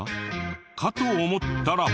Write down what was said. かと思ったら。